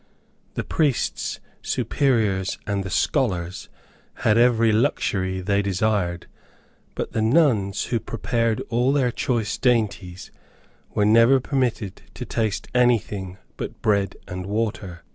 The priests, superiors, and the scholars had every luxury they desired; but the nuns, who prepared all their choice dainties, were never permitted to taste anything but bread and water.